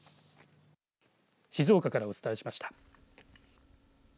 静岡からお伝えしました。